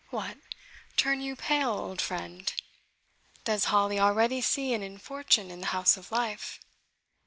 What! turn you pale, old friend? Does Hali already see an infortune in the House of Life?